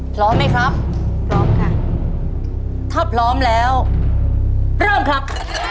พร้อมไหมครับพร้อมค่ะถ้าพร้อมแล้วเริ่มครับ